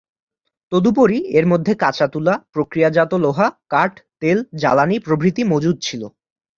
তদুপরি এর মধ্যে কাঁচা তুলা, প্রক্রিয়াজাত লোহা, কাঠ, তেল, জ্বালানি প্রভৃতি মজুদ ছিল।